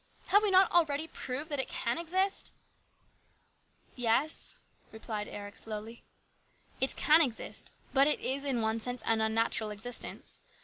Have we not already proved that it can exist ?"" Yes," replied Eric slowly. " It can exist ; but it is, in one sense, an unnatural existence.